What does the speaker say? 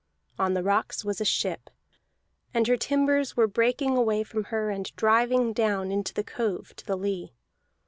On the rocks was a ship, and her timbers were breaking away from her and driving down into the cove to the lee.